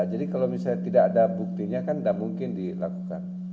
jadi kalau misalnya tidak ada buktinya kan tidak mungkin dilakukan